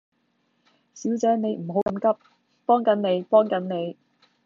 小姐你唔好咁急，幫緊你，幫緊你